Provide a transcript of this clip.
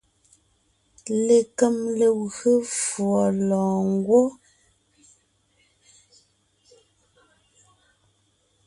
Lekem legwé fùɔ lɔ̀ɔngwɔ́.